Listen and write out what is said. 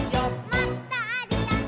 「もっとあるよね」